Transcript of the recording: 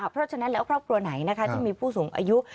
เพราะฉะนั้นแล้วครอบครัวไหนที่มีผู้สูงอายุ